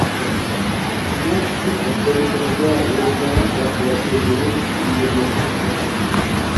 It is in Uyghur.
سىزنىڭ كۈچلۈك رەھبەرلىكىڭىزدە، رۇسىيەنىڭ تەرەققىياتى، گۈللىنىشى تېز ئىلگىرىلەشلەرنى قولغا كەلتۈردى.